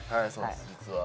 実は。